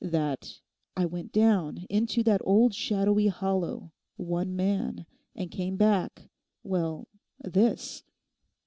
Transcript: That I went down into that old shadowy hollow one man, and came back—well—this?